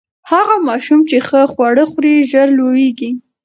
هغه ماشوم چې ښه خواړه خوري، ژر لوییږي.